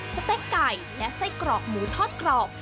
สเต็กไก่และไส้กรอกหมูทอดกรอบ